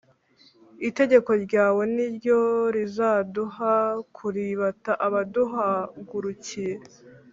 Itegeko ryawe ni ryo rizaduha kuribata abaduhagurukiye